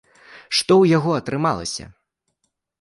Што ў яго атрымалася?